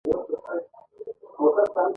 • د علیزي قوم ځوانان د خپل تاریخ ویاړ کوي.